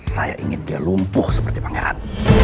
saya ingin dia lumpuh seperti pangeran